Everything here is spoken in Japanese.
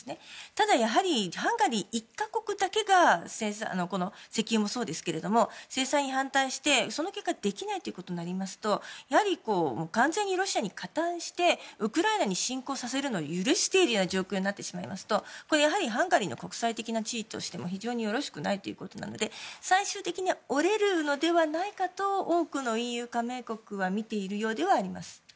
ただ、ハンガリー１か国だけが制裁に反対して、その結果できないとなりますとやはり、完全にロシアに加担してウクライナに侵攻させるのを許している状況になってしまうとハンガリーの国際的な地位としても非常によろしくないということなので最終的に折れるのではないかと多くのＥＵ加盟国は見ているようではあります。